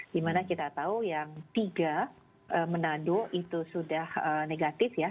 dimana kita tahu yang tiga menado itu sudah negatif ya